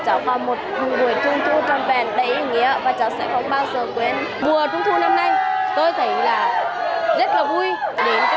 hôm nay cháu rất vui